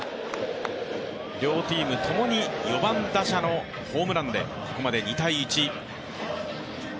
両チーム共に４番打者のホームランで、ここまで２−１。